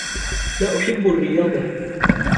لا أحب الرياضة.